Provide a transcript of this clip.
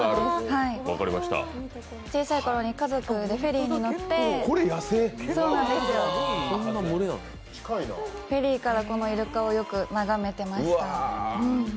小さいころに家族でフェリーに乗って、フェリーから、このいるかをよく眺めていました。